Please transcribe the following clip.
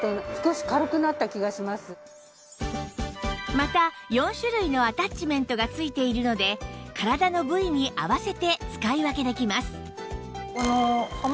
また４種類のアタッチメントが付いているので体の部位に合わせて使い分けできます